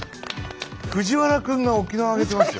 藤原君が沖縄上げてますよ。